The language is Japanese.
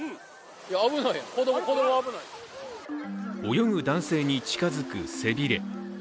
泳ぐ男性に近づく背びれ。